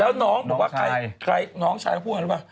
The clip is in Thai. แล้วน้องบอกว่าน้องชายล่ะหรือเปล่า